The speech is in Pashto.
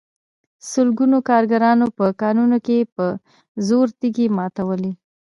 سلګونو کارګرانو په کانونو کې په زور تېږې ماتولې